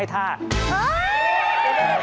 มีผัวแล้วค่ะ